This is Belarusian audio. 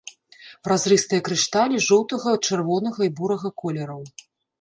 Празрыстыя крышталі жоўтага, чырвонага і бурага колераў.